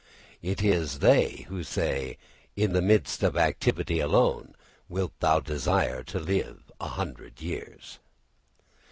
It is they who say, _In the midst of activity alone wilt thou desire to live a hundred years.